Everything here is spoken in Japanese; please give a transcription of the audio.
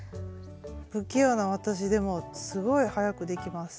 不器用な私でもすごい早くできます。